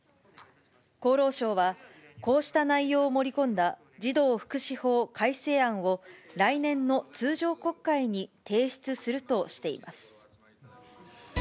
厚労省は、こうした内容を盛り込んだ児童福祉法改正案を、来年の通常国会に提出するとしています。